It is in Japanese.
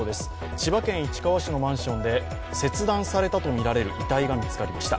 千葉県市川市のマンションで切断されたとみられる遺体が見つかりました。